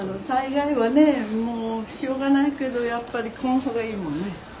災害はねもうしょうがないけどやっぱり来ん方がいいもんね。